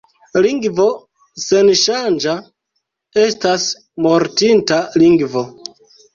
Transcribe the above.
Lingvo senŝanĝa estas mortinta lingvo.